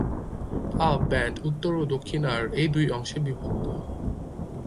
আব ব্যান্ড উত্তর ও দক্ষিণ আব এই দুই অংশে বিভক্ত।